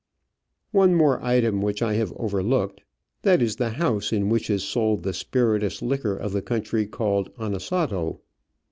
One more item which I have overlooked — that is the house in which is sold the spirituous liquor of the country, called anisado.